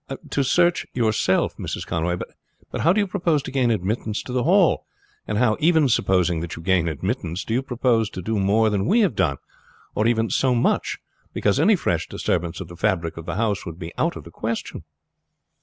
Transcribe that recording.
"To search yourself, Mrs. Conway! But how do you propose to gain admittance to the Hall, and how, even supposing that you gain admittance, do you propose to do more than we have done, or even so much; because any fresh disturbance of the fabric of the house would be out of the question?"